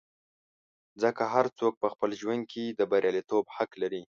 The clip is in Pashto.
ځکه هر څوک په خپل ژوند کې د بریالیتوب حق لري.